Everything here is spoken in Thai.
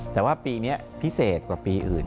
แต่ว่าปีนี้พิเศษกว่าปีอื่น